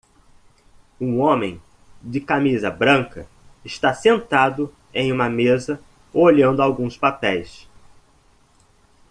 Um homem de camisa branca está sentado em uma mesa olhando alguns papéis